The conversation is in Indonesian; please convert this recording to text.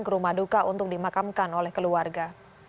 ke rumah duka untuk dimakamkan oleh keluarga